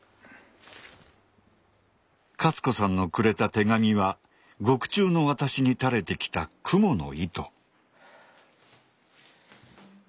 勝子さんのくれた手紙は獄中の私に垂れてきた蜘蛛の糸。